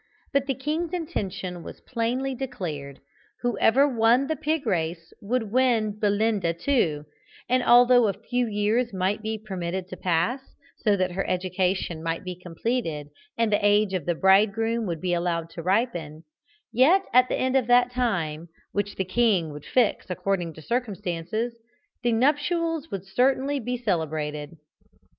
But the king's intention was plainly declared; whoever won the pig race would win Belinda too, and although a few years might be permitted to pass, so that her education might be completed and the age of the bridegroom be allowed to ripen, yet at the end of that time, which the king would fix according to circumstances, the nuptials would certainly be celebrated.